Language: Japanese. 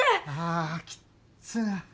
あきっつ。